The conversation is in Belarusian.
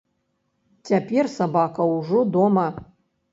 Цяпер сабака ўжо дома.